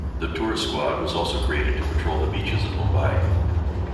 The Tourist Squad was also created to patrol the beaches of Mumbai.